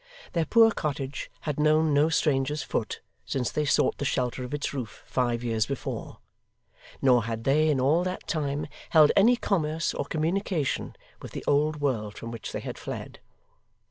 Their poor cottage had known no stranger's foot since they sought the shelter of its roof five years before; nor had they in all that time held any commerce or communication with the old world from which they had fled.